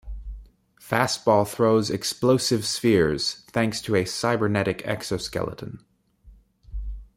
Fastball throws explosive spheres, thanks to a cybernetic exo-skeleton.